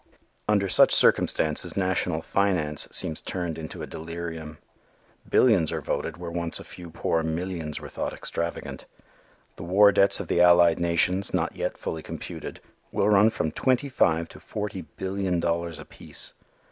Under such circumstances national finance seems turned into a delirium. Billions are voted where once a few poor millions were thought extravagant. The war debts of the Allied Nations, not yet fully computed, will run from twenty five to forty billion dollars apiece.